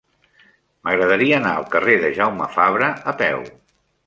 M'agradaria anar al carrer de Jaume Fabra a peu.